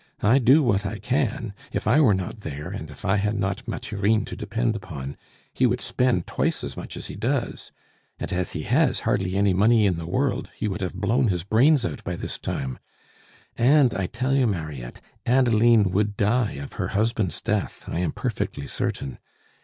I do what I can; if I were not there, and if I had not Mathurine to depend upon, he would spend twice as much as he does; and as he has hardly any money in the world, he would have blown his brains out by this time. And, I tell you, Mariette, Adeline would die of her husband's death, I am perfectly certain.